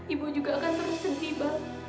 ibu juga akan terus sentih bang